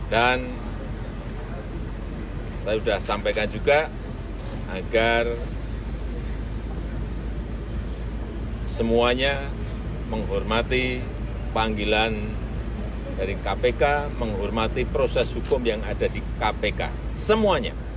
dan saya sudah sampaikan juga agar semuanya menghormati panggilan dari kpk menghormati proses hukum yang ada di kpk semuanya